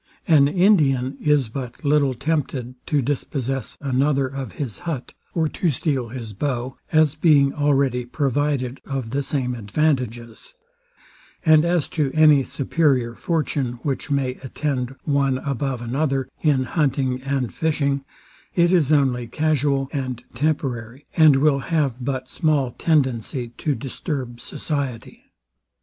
An Indian is but little tempted to dispossess another of his hut, or to steal his bow, as being already provided of the same advantages; and as to any superior fortune, which may attend one above another in hunting and fishing, it is only casual and temporary, and will have but small tendency to disturb society.